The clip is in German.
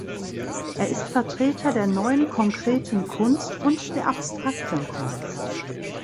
Er ist Vertreter der Neuen Konkreten Kunst und der Abstrakten Kunst.